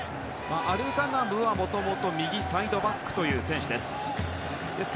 アルガナムはもともと右サイドバックの選手です。